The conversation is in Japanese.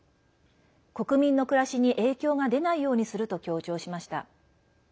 国民の暮らしに影響が出ないようにすると強調しました。